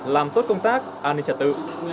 làm tốt công tác an ninh trật tự